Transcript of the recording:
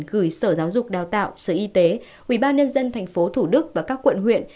gửi sở giáo dục đào tạo sở y tế ubnd tp thủ đức và các quận huyện